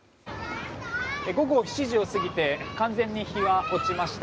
午後７時を過ぎて完全に日が落ちました。